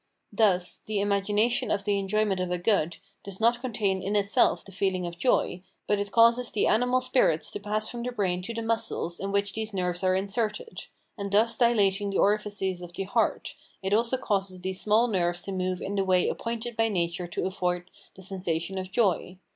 Thus, the imagination of the enjoyment of a good does not contain in itself the feeling of joy, but it causes the animal spirits to pass from the brain to the muscles in which these nerves are inserted; and thus dilating the orifices of the heart, it also causes these small nerves to move in the way appointed by nature to afford the sensation of joy.